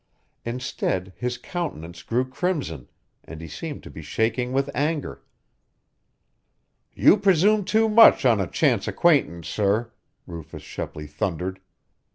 Instead, his countenance grew crimson, and he seemed to be shaking with anger. "You presume too much on a chance acquaintance, sir!" Rufus Shepley thundered.